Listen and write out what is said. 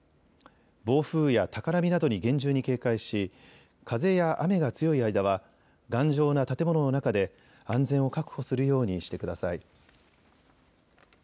暴風や高波などに厳重に警戒し風や雨が強い間は頑丈な建物の中で安全を確保するようにしてください。